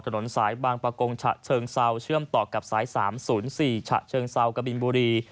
ถนนสายบางประกงฉะเชิงเซาเชื่อมต่อกับสาย๓๐๔ฉะเชิงเซากบินบุรี